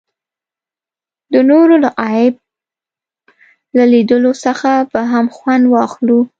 د نورو له عیب له لیدلو څخه به هم خوند وانخلو.